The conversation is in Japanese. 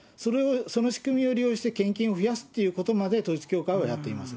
その仕組みを利用して、献金を増やすってことまで統一教会はやっています。